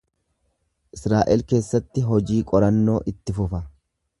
Israa’el keessatti hojii qorannoo itti fufa.